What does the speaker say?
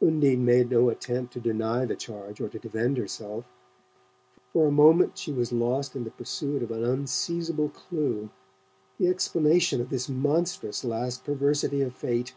Undine made no attempt to deny the charge or to defend herself. For a moment she was lost in the pursuit of an unseizable clue the explanation of this monstrous last perversity of fate.